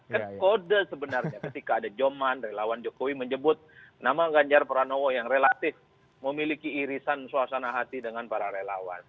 kan kode sebenarnya ketika ada joman relawan jokowi menyebut nama ganjar pranowo yang relatif memiliki irisan suasana hati dengan para relawan